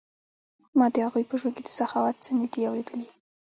ما د هغوی په ژوند کې د سخاوت څه نه دي اوریدلي.